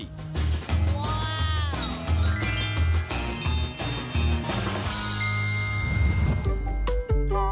ว้าว